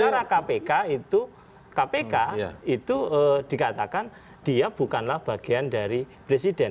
secara kpk itu kpk itu dikatakan dia bukanlah bagian dari presiden